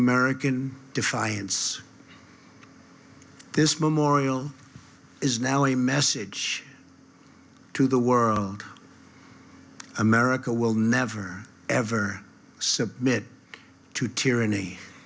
อเมริกาจะไม่เคยต้องส่งตัวตัวต่อต้านที่สุดท้าย